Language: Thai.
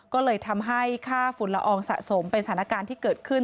ก็เลยทำให้ค่าฝุ่นละอองสะสมเป็นสถานการณ์ที่เกิดขึ้น